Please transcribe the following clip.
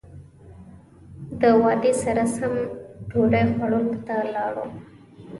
د وعدې سره سم ډوډۍ خوړلو ته لاړم.